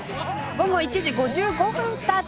午後１時５５分スタートです